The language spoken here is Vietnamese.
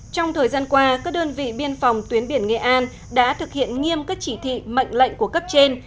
trong thời gian qua các đơn vị biên phòng tuyến biển nghệ an đã thực hiện nghiêm các chỉ thị mệnh lệnh của cấp trên